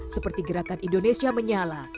seperti gerakan indonesia menyala